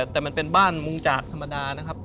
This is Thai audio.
แต่มันเป็นบ้านมุงจากธรรมดานะครับ